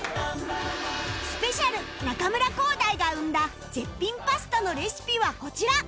ＳｐｅｃｉａＬ 中村浩大が生んだ絶品パスタのレシピはこちら